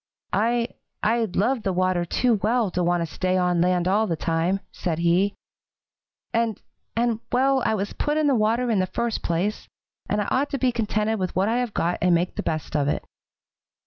'I I love the water too well to want to stay on land all the time,' said he, 'and and well, I was put in the water in the first place, and I ought to be contented with what I have got and make the best of it.'